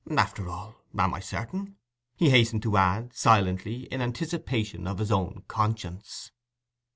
("After all, am I certain?" he hastened to add, silently, in anticipation of his own conscience.)